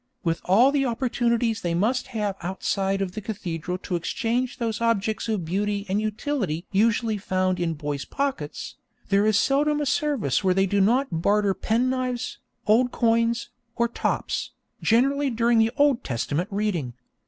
With all the opportunities they must have outside of the cathedral to exchange those objects of beauty and utility usually found in boys' pockets, there is seldom a service where they do not barter penknives, old coins, or tops, generally during the Old Testament reading.